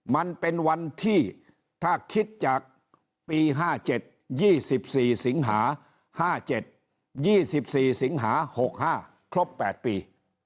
มันเป็นวันที่ถ้าคิดจากปี๕๗๒๔สิงหา๕๗๒๔สิงหา๖๕ครบ๘ปี